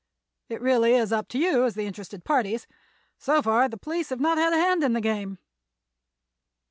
It is really up to you, as the interested parties. So far the police have not had a hand in the game."